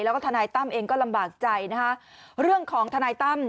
แล้วก็ทนายตั้มเองก็ลำบากใจนะคะเรื่องของทนายตั้ม